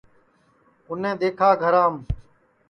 اُنیں دؔیکھا گھرام